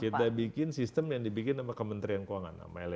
kita bikin sistem yang dibikin sama kementerian keuangan